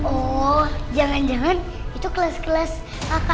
oh jangan jangan itu kelas kelas kakak sma kali